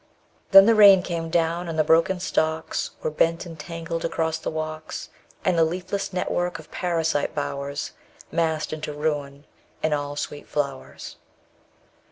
_45 Then the rain came down, and the broken stalks Were bent and tangled across the walks; And the leafless network of parasite bowers Massed into ruin; and all sweet flowers.